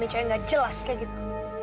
dicanya gak jelas kayak gitu